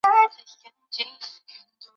圣昂德雷德博翁。